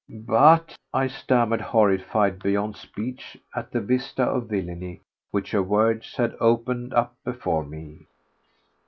"But ..." I stammered, horrified beyond speech at the vista of villainy which her words had opened up before me.